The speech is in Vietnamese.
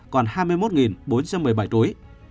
còn hai mươi một bốn trăm một mươi bảy tối